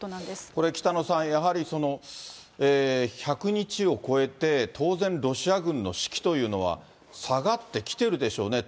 これ、北野さん、やはりその、１００日を超えて、当然ロシア軍の士気というのは下がってきているでしょうね。